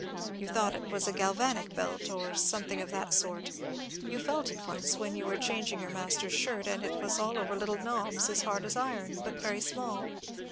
You thought it was a galvanic belt, or something of that sort. You felt it once, when you were changing your master's shirt, and it was all over little knobs as hard as iron, but very small.